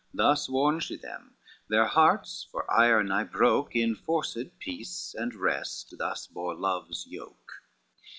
Thus warned she them, their hearts, for ire nigh broke, In forced peace and rest thus bore love's yoke.